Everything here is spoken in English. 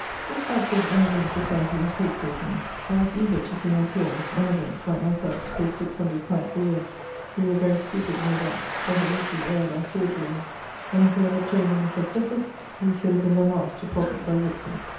This fatuous Emigrant society was hateful to me; I was eager to see my peers, Emigrants like myself with six hundred francs a year. We were very stupid, no doubt, but at least we aired our sword blades, and, if we had obtained any successes, we should have been the last to profit by victory.